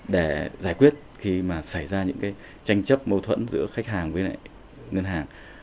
để giải quyết khi mà xảy ra những cái tranh chấp mâu thuẫn giữa khách hàng với lại ngân hàng